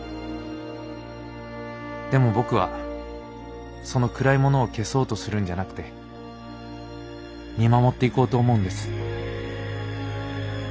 でも僕はその暗いものを消そうとするんじゃなくて見守っていこうと思うんです。